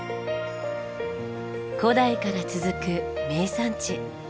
古代から続く名産地。